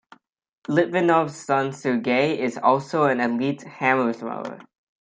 Litvinov's son Sergey is also an elite hammer thrower.